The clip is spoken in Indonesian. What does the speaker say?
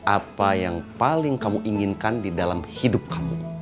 apa yang paling kamu inginkan di dalam hidup kamu